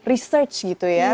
research gitu ya